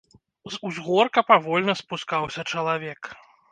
З узгорка павольна спускаўся чалавек.